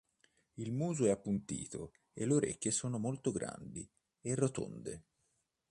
Il muso è appuntito e le orecchie sono molto grandi e rotonde.